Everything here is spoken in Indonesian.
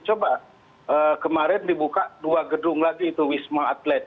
coba kemarin dibuka dua gedung lagi itu wisma atlet